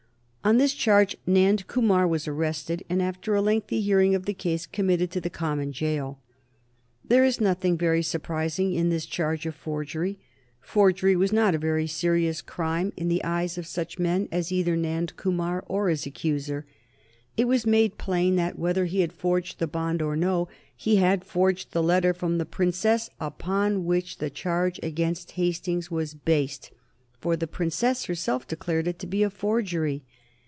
On this charge Nand Kumar was arrested, and after a lengthy hearing of the case committed to the common jail. There is nothing very surprising in this charge of forgery. Forgery was not a very serious crime in the eyes of such men as either Nand Kumar or his accuser. It was made plain that, whether he had forged the bond or no, he had forged the letter from the princess upon which the charge against Hastings was based, for the princess herself declared it to be a forgery.